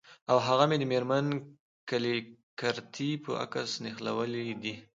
او هغه مې د میرمن کلیګرتي په عکس نښلولي دي